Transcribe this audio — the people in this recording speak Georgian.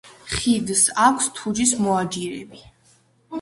ხიდს აქვს თუჯის მოაჯირები.